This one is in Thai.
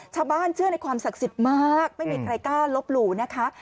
เชื่อในความศักดิ์สิทธิ์มากไม่มีใครกล้าลบหลู่นะคะ